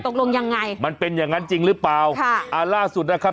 ตกลงยังไงมันเป็นอย่างนั้นจริงหรือเปล่าค่ะอ่าล่าสุดนะครับ